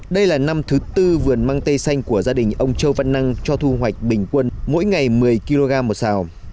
đây là năm thứ tư vườn măng tây xanh của gia đình ông châu văn năng cho thu hoạch bình quân mỗi ngày một mươi kg một xào